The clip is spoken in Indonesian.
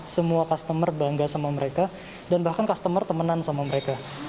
semua customer bangga sama mereka dan bahkan customer temenan sama mereka